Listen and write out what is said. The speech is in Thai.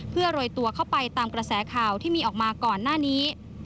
เพื่อโรยตัวเข้าไปตามกระแสข่าวที่มีออกมาก่อนหน้านี้